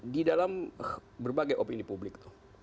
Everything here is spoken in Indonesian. di dalam berbagai opini publik